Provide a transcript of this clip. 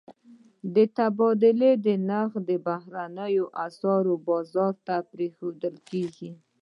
د تبادلې نرخ بهرنیو اسعارو بازار ته پرېښودل کېږي.